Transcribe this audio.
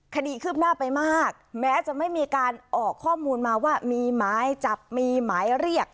คดีคืบหน้าไปมากแม้จะไม่มีการออกข้อมูลมาว่ามีหมายจับมีหมายเรียก